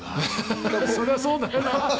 それはそうだよな。